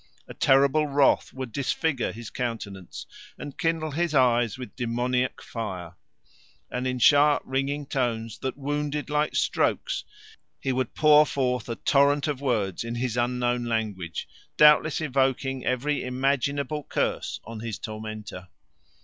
A terrible wrath would disfigure his countenance and kindle his eyes with demoniac fire; and in sharp ringing tones, that wounded like strokes, he would pour forth a torrent of words in his unknown language, doubtless invoking every imaginable curse on his tormentor.